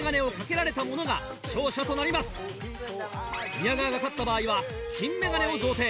宮川が勝った場合は金メガネを贈呈。